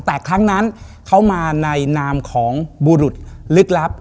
แต่ครั้งนั้นเขามาในนามของบุรุษลึกลับ